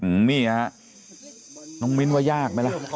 อื้มนี่นะนงมินต์ว่ายากไม่ล่ะ